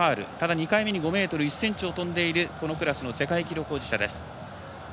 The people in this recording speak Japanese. ２回目に５ｍ１ｃｍを跳んでいるこのクラスの世界記録保持者です。